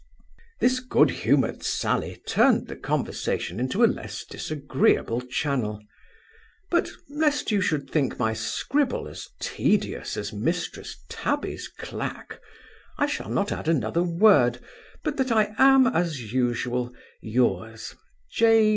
This good humoured sally turned the conversation into a less disagreeable channel But, lest you should think my scribble as tedious as Mrs Tabby's clack, I shall not add another word, but that I am as usual Yours, J.